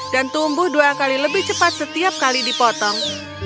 dan tumbuh dua kali lebih cepat setiap kali dipotong